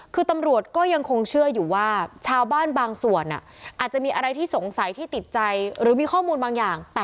คือตำรวจก็ยังคงเชื่ออยู่ว่าชาวบ้านบางส่วนอาจจะมีอะไรที่สงสัยที่ติดใจหรือมีข้อมูลบางอย่าง